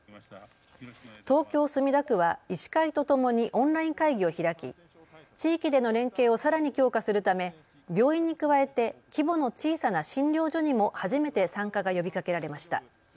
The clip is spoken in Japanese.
東京墨田区は医師会とともにオンライン会議を開き、地域での連携をさらに強化するため病院に加えて規模の小さな診療所にも初めて参加が呼びかけられました。